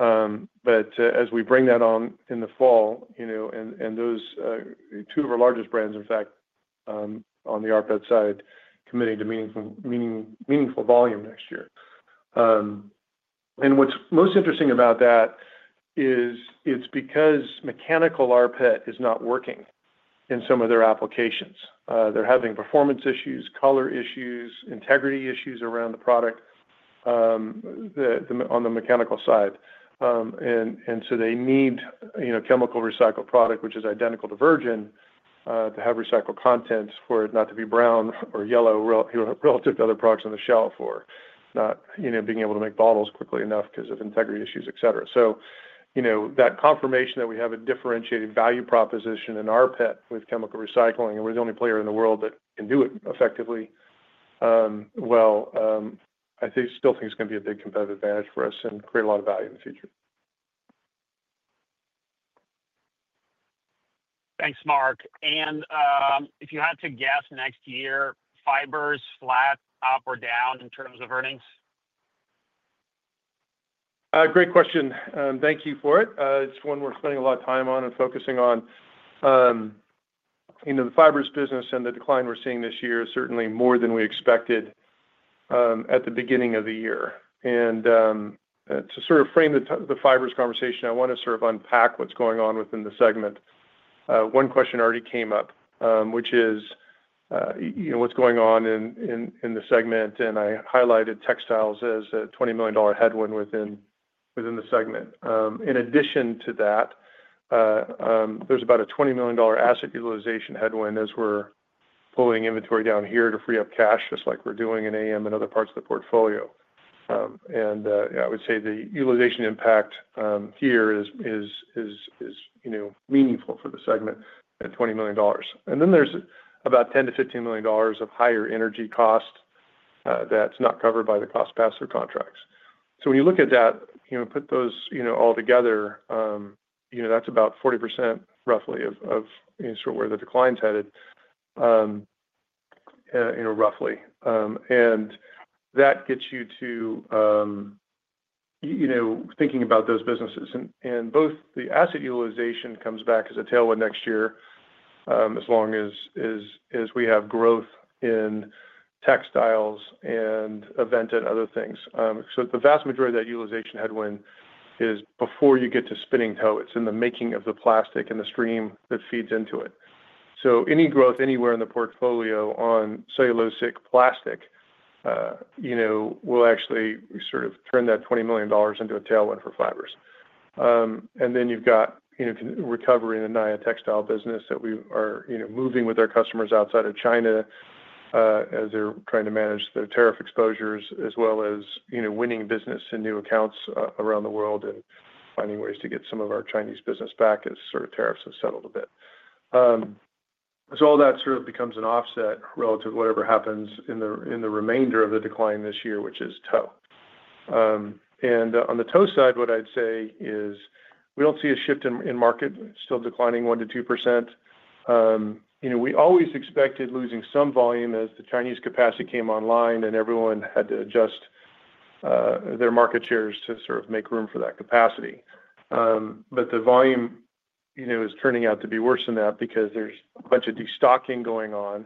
As we bring that on in the fall and those two of our largest brands, in fact, on the rPET side, committing to meaningful volume next year, what's most interesting about that is it's because mechanical rPET is not working in some of their applications. They're having performance issues, color issues, integrity issues around the product on the mechanical side. They need chemical recycled product, which is identical to virgin, to have recycled content for it not to be brown or yellow relative to other products on the shelf, or not being able to make bottles quickly enough because of integrity issues, etc. That confirmation that we have a differentiated value proposition in our PET with chemical recycling and we're the only player in the world that can do it effectively, I still think it's going to be a big competitive advantage for us and create a lot of value in the future. Thanks, Mark. If you had to guess, next year fiber is flat, up, or down. In terms of earnings. Great question. Thank you for it. It's one we're spending a lot of time on and focusing on the fibers business and the decline we're seeing this year. Certainly more than we expected at the beginning of the year. To sort of frame the fibers conversation, I want to sort of unpack what's going on within the segment. One question already came up which is what's going on in the segment? I highlighted textiles as a $20 million headwind within the segment. In addition to that, there's about a $20 million asset utilization headwind as we're pulling inventory down here to free up cash, just like we're doing in AM and other parts of the portfolio. I would say the utilization impact here is meaningful for the segment. $20 million. Then there's about $10 to $15 million of higher energy cost that's not covered by the cost pass through contracts. When you look at that, you put those all together, that's about 40% roughly of where the decline's headed, roughly. That gets you to thinking about those businesses. Both the asset utilization comes back as a tailwind next year as long as we have growth in textiles and Aventa and other things. The vast majority of that utilization headwind is before you get to spinning tow. It's in the making of the plastic and the stream that feeds into it. Any growth anywhere in the portfolio on cellulosic plastic will actually sort of turn that $20 million into a tailwind for fibers. Then you've got recovery in the Naia textile business that we are moving with our customers outside of China as they're trying to manage their tariff exposures as well as winning business in new accounts around the world and finding ways to get some of our Chinese business back as sort of tariffs have settled a bit. All that sort of becomes an offset relative to whatever happens in the remainder of the decline this year, which is. On the tow side, what I'd say is we don't see a shift in market still declining 1% to 2%. We always expected losing some volume as the Chinese capacity came online and everyone had to adjust their market shares to sort of make room for that capacity. The volume is turning out to be worse than that because there's a bunch of destocking going on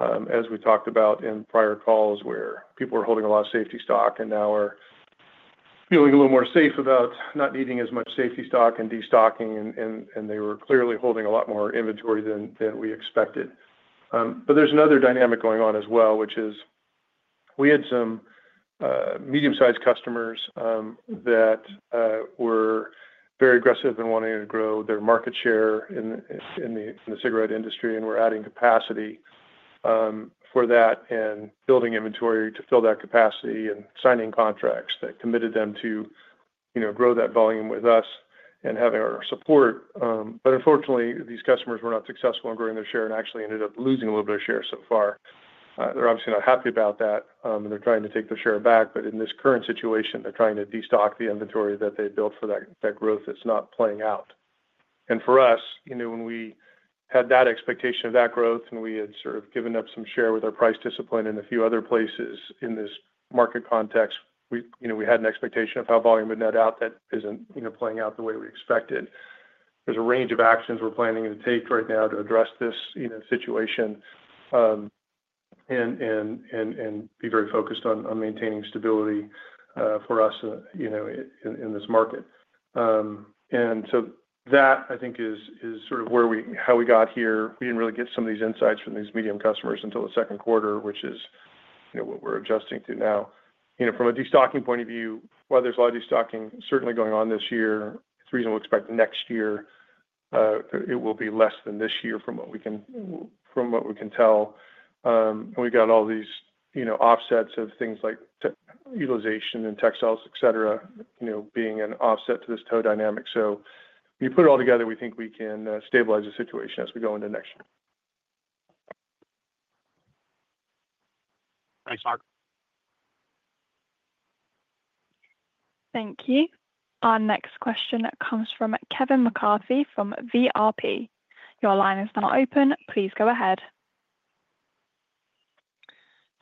as we talked about in prior calls, where people were holding a lot of safety stock and now are feeling a little more safe about not needing as much safety stock and destocking. They were clearly holding a lot more inventory than we expected. There is another dynamic going on as well, which is we had some medium sized customers that were very aggressive in wanting to grow their market share in the cigarette industry and were adding capacity for that and building inventory to fill that capacity and signing contracts that committed them to grow that volume with us and having our support. Unfortunately, these customers were not successful in growing their share and actually ended up losing a little bit of share so far. They are obviously not happy about that and they are trying to take their share back. In this current situation, they are trying to destock the inventory that they built for that growth. That is not playing out. For us, when we had that expectation of that growth and we had sort of given up some share with our price discipline and a few other places in this market context, we had an expectation of how volume would net out that is not playing out the way we expected. There is a range of actions we are planning to take right now to address this situation and be very focused on maintaining stability for us in this market. That is sort of where we, how we got here. We did not really get some of these insights from these medium customers until the second quarter, which is what we are adjusting to now. From a destocking point of view, while there is a lot of destocking certainly going on this year, it is reasonable to expect next year it will be less than this year. From what we can tell, we got all these offsets of things like utilization and textiles, etc., being an offset to this tow dynamic. You put it all together, we think we can stabilize the situation as we go into next year. Thanks, Mark. Thank you. Our next question comes from Kevin McCarthy from Vertical Research Partners. Your line is now open. Please go ahead.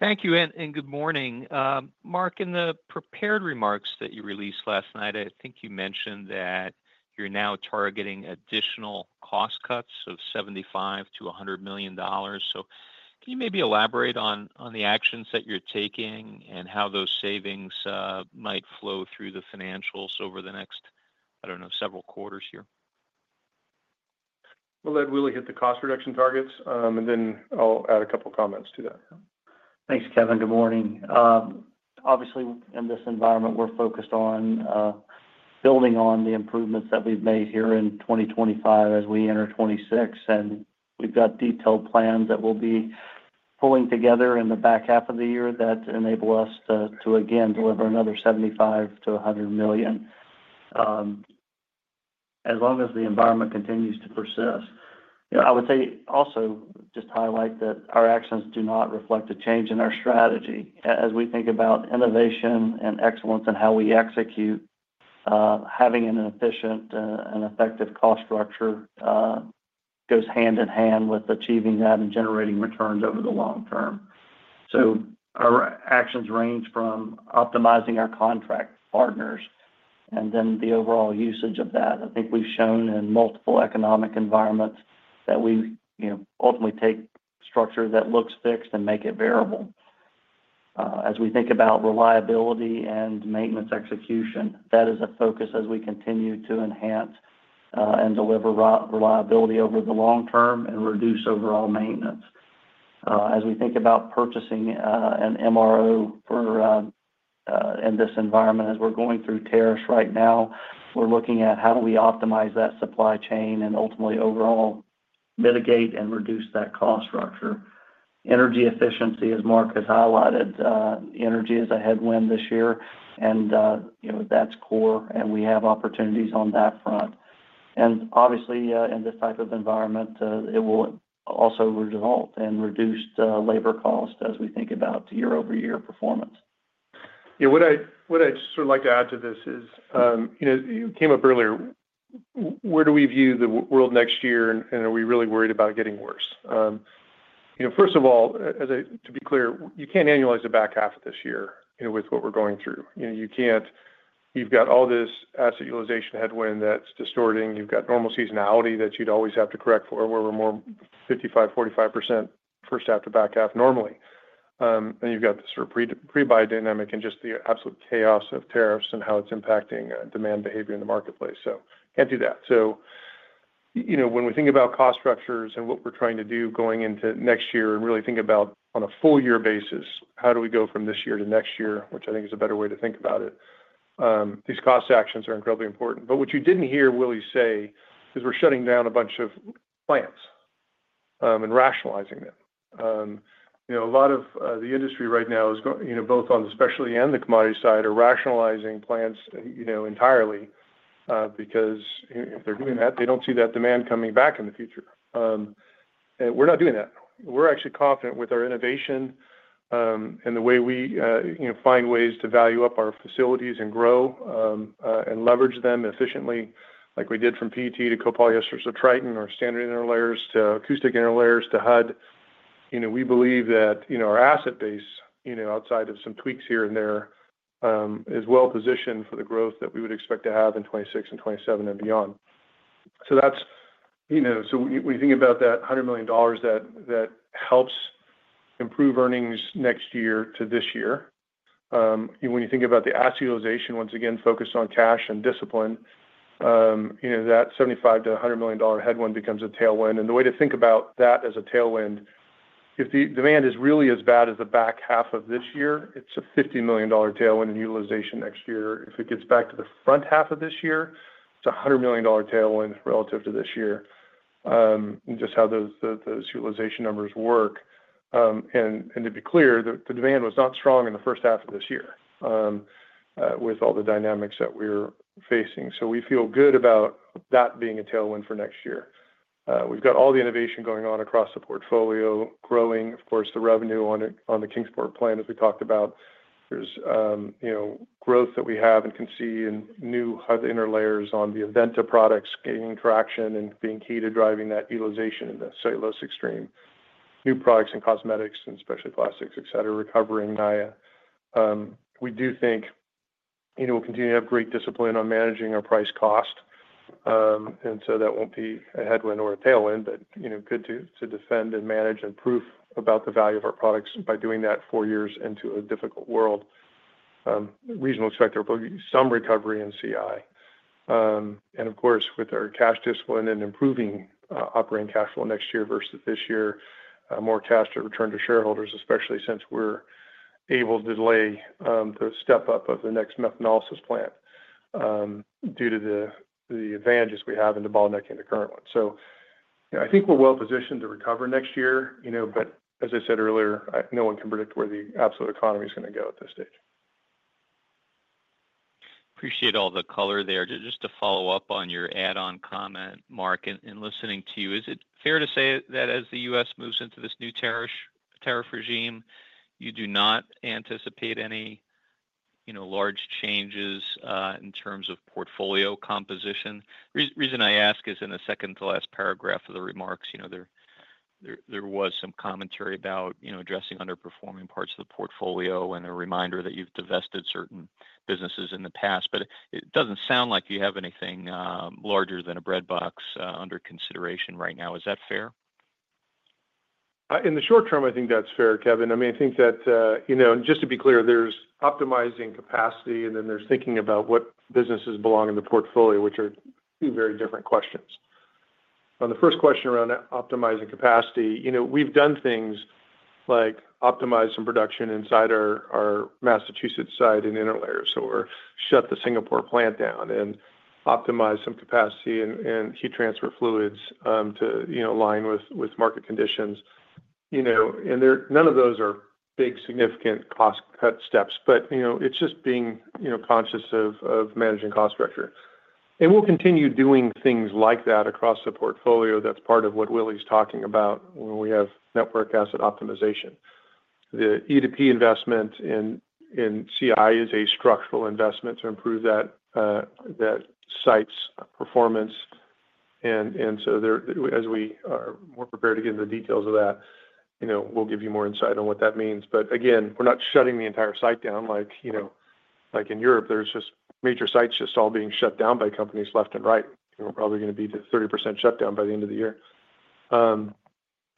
Thank you and good morning. Mark, in the prepared remarks that you released last night, I think you mentioned that you're now targeting additional cost cuts of $75 to $100 million. Can you maybe elaborate on the actions that you're taking and how those savings might flow through the financials over the next, I don't know, several quarters here. Willie, hit the cost reduction targets, and then I'll add a couple comments to that. Thanks, Kevin. Good morning. Obviously, in this environment, we're focused on building on the improvements that we've made here in 2025 as we enter 2026. We've got detailed plans that we'll be pulling together in the back half of the year that enable us to again deliver another $75 to $100 million as long as the environment continues to persist. I would also just highlight that our actions do not reflect a change in our strategy as we think about innovation and excellence and how we execute. Having an efficient and effective cost structure goes hand in hand with achieving that and generating returns over the long term. Our actions range from optimizing our contract partners and then the overall usage of that. I think we've shown in multiple economic environments that we ultimately take structure that looks fixed and make it variable. As we think about reliability and maintenance execution, that is a focus as we continue to enhance and deliver reliability over the long term and reduce overall maintenance. As we think about purchasing and MRO in this environment, as we're going through tariffs right now, we're looking at how we optimize that supply chain and ultimately overall mitigate and reduce that cost structure. Energy efficiency, as Mark has highlighted, energy is a headwind this year and that's core and we have opportunities on that front. Obviously, in this type of environment, it will also result in reduced labor cost as we think about year over year performance. What I'd sort of like to add to this is, you know, you came up earlier, where do we view the world next year and are we really worried about getting worse? First of all, as I, to be clear, you can't annualize the back half of this year. With what we're going through, you can't. You've got all this asset utilization headwind that's just distorting. You've got normal seasonality that you'd always have to correct for where we're more 55%, 45% first half to back half normally. You've got the sort of pre-buy dynamic and just the absolute chaos of tariffs and how it's impacting demand behavior in the marketplace. Can't do that. When we think about cost structures and what we're trying to do going into next year and really think about on a full year basis, how do we go from this year to next year, which I think is a better way to think about it, these cost actions are incredibly important. What you didn't hear Willie say is we're shutting down a bunch of plants and rationalizing them. A lot of the industry right now is going, both on the specialty and the commodity side, are rationalizing plants entirely. Because if they're doing that, they don't see that demand coming back in the future. We're not doing that. We're actually confident with our innovation and the way we find ways to value up our facilities and grow and leverage them efficiently like we did from PET to copolyesters to Tritan or standard interlayers to acoustic interlayers to HUD. We believe that our asset base, outside of some tweaks here and there, is well positioned for the growth that we would expect to have in 2026 and 2027 and beyond. When you think about that $100 million, that helps improve earnings next year to this year. When you think about the asset utilization once again focused on cash and discipline, that $75 to $100 million headwind becomes a tailwind. The way to think about that as a tailwind, if the demand is really as bad as the back half of this year, it's a $50 million tailwind in utilization next year. If it gets back to the front half of this year, it's $100 million tailwind relative to this year, just how those utilization numbers work. To be clear, the demand was not strong in the first half of this year with all the dynamics that we're facing. We feel good about that being a tailwind for next year. We've got all the innovation going on across the portfolio, growing, of course, the revenue on the Kingsport plant. As we talked about, there's growth that we have and can see in new interlayers on the Aventa products gaining traction and being key to driving that utilization in the cellulosic additives stream. New products in cosmetics and specialty plastics, etcetera, recovering. Nia, we do think, you know, we'll continue to have great discipline on managing our price cost, and so that won't be a headwind or a tailwind, but, you know, good to defend and manage and prove out the value of our products by doing that. Four years into a difficult world, regional expectorant will be some recovery in CI, and, of course, with our cash discipline and improving operating cash flow next year versus this year, more cash to return to shareholders. Especially since we're able to delay the step up of the next Methanolysis plant due to the advantages we have in the bottleneck and the current one. I think we're well positioned to recover next year. As I said earlier, no one can predict where the absolute economy is going to go at this stage. Appreciate all the color there. Just to follow up on your add on comment, Mark, in listening to you, is it fair to say that as the U.S. moves into this new tariff regime you do not anticipate any large changes in terms of portfolio composition? Reason I ask is in the second to last paragraph of the remarks there was some commentary about addressing underperforming parts of the portfolio and a reminder that you've divested certain businesses in the past. It doesn't sound like you have anything larger than a bread box under consideration right now. Is that fair. In the short term? I think that's fair, Kevin. I mean, I think that, you know, just to be clear, there's optimizing capacity and then there's thinking about what businesses belong in the portfolio, which are two very different questions. On the first question around optimizing capacity, we've done things like optimize some production inside our Massachusetts site and interlayers. We shut the Singapore plant down and optimized some capacity in heat transfer fluids to align with market conditions. None of those are big significant cost cut steps, but it's just being conscious of managing cost structure and we'll continue doing things like that across the portfolio. That's part of what Willie's talking about. When we have network asset optimization, the E2P investment in CI is a structural investment to improve that site's performance. As we are more prepared to get into the details of that, we'll give you more insight on what that means. Again, we're not shutting the entire site down. Like in Europe, there are just major sites all being shut down by companies left and right. Probably going to be the 30% shutdown by the end of the year over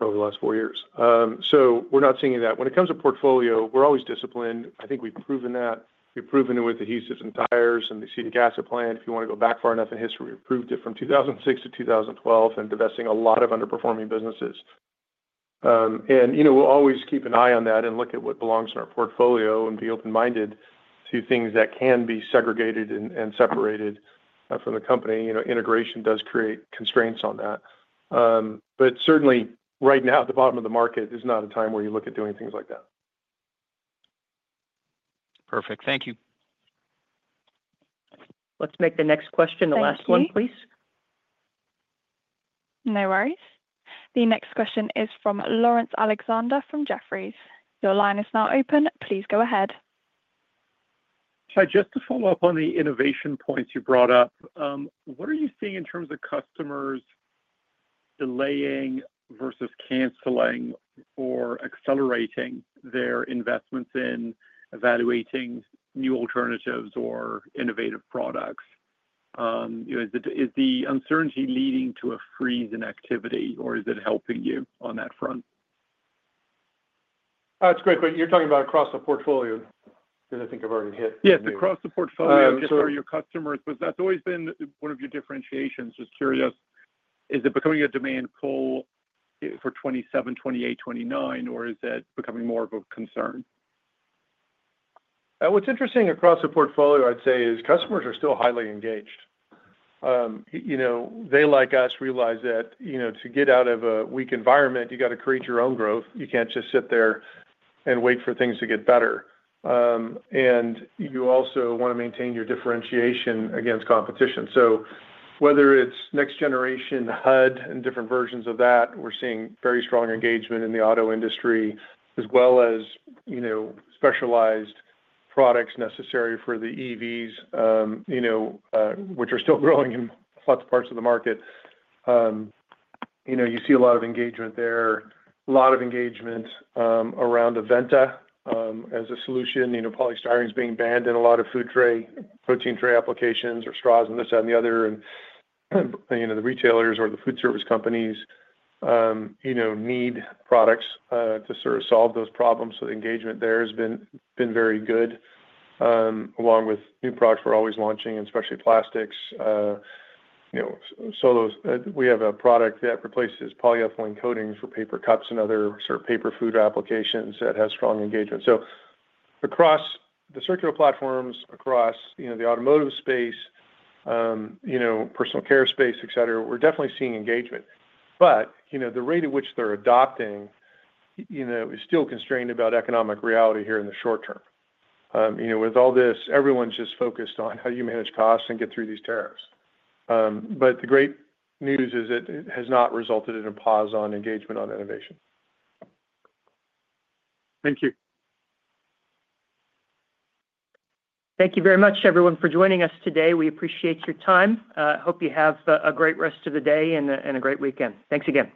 the last four years. We're not seeing that. When it comes to portfolio, we're always disciplined. I think we've proven that. We've proven it with adhesives and tires and the CEDIC asset plan, if you want to go back far enough in history, proved it from 2006 to 2012 in divesting a lot of underperforming businesses. We'll always keep an eye on that and look at what belongs in our portfolio and be open minded to things that can be segregated and separated from the company. Integration does create constraints on that, but certainly right now at the bottom of the market is not a time where you look at doing things like that. Perfect. Thank you. Let's make the next question the last one, please. No worries. The next question is from Laurence Alexander from Jefferies Your line is now open. Please go ahead. Just to follow up on the innovation points you brought up, what are you? Seeing in terms of customers delaying versus canceling or accelerating their investments in evaluating new alternatives or innovative products? Is the uncertainty leading to a freeze? In activity or is it helping you on that front? That's a great question. You're talking about across the portfolio because I think I've already hit. Yes across the portfolio just for your customers. That's always been one of your differentiations. Just curious, is it becoming a demand pull for 2027, 2028, 2029 or is it becoming more of a concern? What's interesting across the portfolio, I'd say, is customers are still highly engaged. They, like us, realize that to get out of a weak environment, you have to create your own growth. You can't just sit there and wait for things to get better. You also want to maintain your differentiation against competition. Whether it's next generation HUD and different versions of that, we're seeing very strong engagement in the auto industry as well as specialized products necessary for the EVs, which are still growing in lots of parts of the market. You see a lot of engagement there, a lot of engagement around Aventa as a solution. Polystyrene is being banned in a lot of food tray, protein tray applications or straws and this and the other. The retailers or the food service companies need products to sort of solve those problems. The engagement there has been very good, along with new products we're always launching, especially specialty plastics. We have a product that replaces polyethylene coatings for paper cups and other paper food applications that has strong engagement. Across the circular platforms, across the automotive space, personal care space, etc., we're definitely seeing engagement. The rate at which they're adopting is still constrained by economic reality here in the short term. With all this, everyone's just focused on how you manage costs and get through these tariffs. The great news is it has not resulted in a pause on engagement or innovation. Thank you. Thank you very much, everyone, for joining us today. We appreciate your time. Hope you have a great rest of the day and a great weekend. Thanks again.